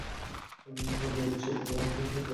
আমি আপনার সাথে না তার সাথে কথা বলছি।